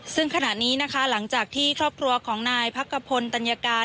ซึ่งขณะนี้นะคะหลังจากที่ครอบครัวของนายพักกระพลตัญญาการ